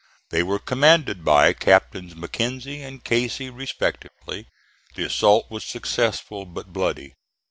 They were commanded by Captains McKinzie and Casey respectively. The assault was successful, but bloody.